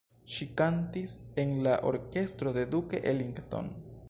Ŝi kantis en la orkestro de Duke Ellington.